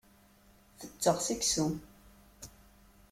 Tetteɣ seksu.